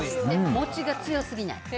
餅がすごすぎない。